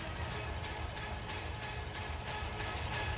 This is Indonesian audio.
helikopter ini dilengkapi peluncur roket ffar dua tujuh puluh lima inci